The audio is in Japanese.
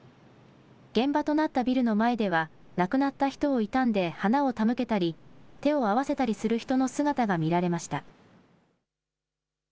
現場となったビルの前では、亡くなった人を悼んで花を手向けたり、手を合わせたりする人の姿が見られました。